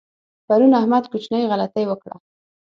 پرون احمد کوچنۍ غلطۍ وکړه.